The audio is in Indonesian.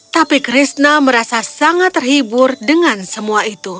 tapi krishna merasa sangat terhibur dengan semua itu